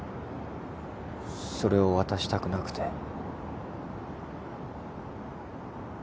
それを渡したくなくて。